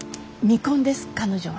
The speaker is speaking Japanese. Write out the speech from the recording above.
未婚です彼女は。